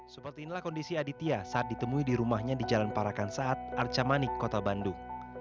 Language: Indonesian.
seperti inilah kondisi aditya saat ditemui di rumahnya di jalan parakan saat arca manik kota bandung